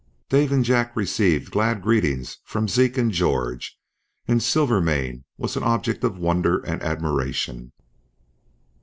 Dave and Jack received glad greetings from Zeke and George, and Silvermane was an object of wonder and admiration.